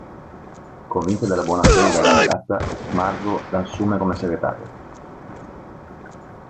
Convinta della buona fede della ragazza, Margo l'assume come segretaria.